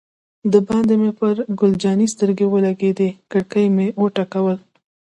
دباندې مې پر ګل جانې سترګې ولګېدې، کړکۍ مې و ټکول.